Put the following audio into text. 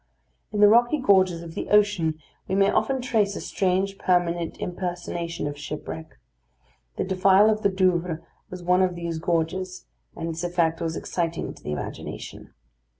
In the rocky gorges of the ocean we may often trace a strange permanent impersonation of shipwreck. The defile of the Douvres was one of these gorges, and its effect was exciting to the imagination.